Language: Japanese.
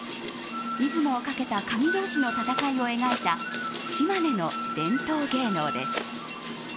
出雲をかけた神同士の戦いを描いた島根の伝統芸能です。